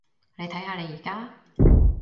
你睇下你而家？